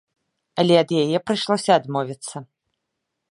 Але і ад яе прыйшлося адмовіцца.